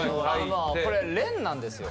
これ廉なんですよ。